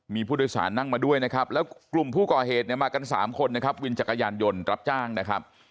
มีผู้โดยสารนั่งมาด้วยนะครับแล้วกลุ่มผู้ก่อเหตุเนี่ยมากันสามคนนะครับวินจักรยานยนต์รับจ้างนะครับ